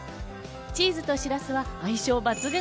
チーズとしらすは相性抜群。